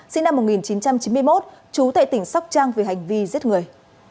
sinh năm một nghìn chín trăm chín mươi một trú tại tỉnh sóc trăng về hành vi giết người